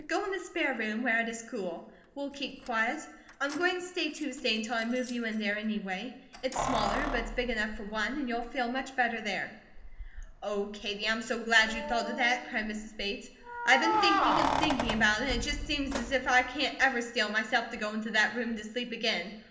Go in the spare room, where it is cool; we'll keep quiet. I am going to stay Tuesday until I move you in there, anyway. It's smaller, but it's big enough for one, and you'll feel much better there." "Oh, Katie, I'm so glad you thought of that," cried Mrs. Bates. "I been thinking and thinking about it, and it just seems as if I can't ever steel myself to go into that room to sleep again.